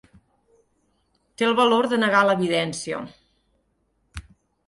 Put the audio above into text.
Té el valor de negar l'evidència.